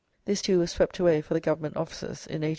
This, too, was swept away for the Government offices in 1864 65.